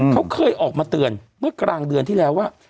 เขาเคยออกมาเตือนเมื่อกลางเดือนที่แล้วว่า